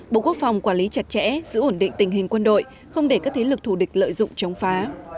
bộ quốc phòng quản lý chặt chẽ giữ ổn định tình hình quân đội không để các thế lực thù địch lợi dụng chống phá